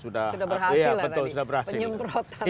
sudah berhasil ya tadi penyemprotan